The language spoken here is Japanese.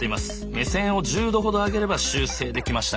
目線を１０度ほど上げれば修正できましたね。